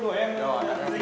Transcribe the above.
đó là đáng lẽ